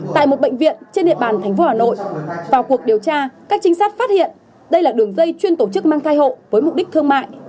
tại một bệnh viện trên địa bàn tp hà nội